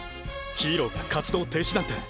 ヒーローが活動停止なんて。